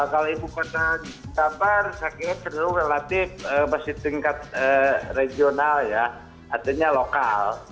kalau ibu kota jabar saya kira cenderung relatif pasti tingkat regional ya artinya lokal